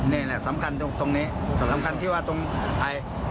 นี่แหละสำคัญตรงนี้สำคัญที่ว่าตรงอะไร